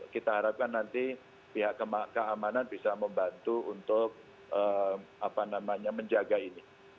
kita harapkan nanti pihak keamanan bisa membantu untuk menjaga ini